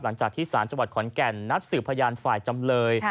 หลังจากที่สารจังหวัดขอนแก่นนัดสืบพยานฝ่ายจำเลย